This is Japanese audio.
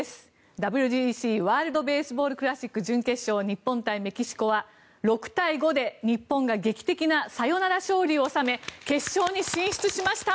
ＷＢＣ＝ワールド・ベースボール・クラシック準決勝日本対メキシコは６対５で日本が劇的なサヨナラ勝利を収め決勝に進出しました。